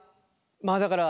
まあだから。